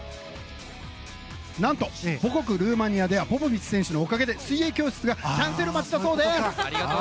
何と、母国ルーマニアでポポビッチ選手のおかげで水泳教室がキャンセル待ちだそうです！